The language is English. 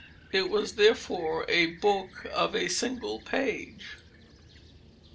It was, therefore, a book of a single page.